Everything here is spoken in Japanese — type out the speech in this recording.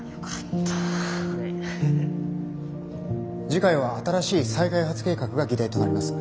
次回は新しい再開発計画が議題となります。